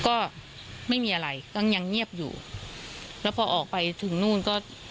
ก็ไม่มีอะไรก็ยังเงียบอยู่แล้วพอออกไปถึงนู่นก็